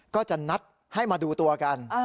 ก็จะนัดให้มาดูตัวกัน